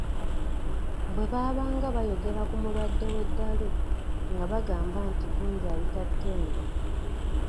Bwe baabanga bayogera ku mulwadde w'eddalu nga bagamba nti gundi ayita Ttembo.